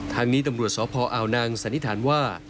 ทางนี้ตำรวจสพอาวนางสันนิษฐานว่า